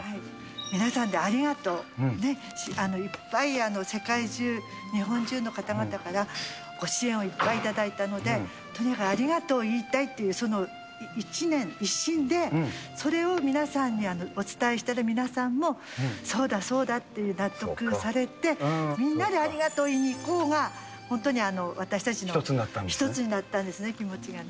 皆さんでありがとう、いっぱい世界中、日本中の方々からご支援をいっぱい頂いたので、とにかくありがとうを言いたいっていう一念、一心でそれを皆さんにお伝えして、皆さんもそうだ、そうだって納得されて、みんなでありがとうを言いに行こうが、本当に私たちの一つになったんですね、気持ちがね。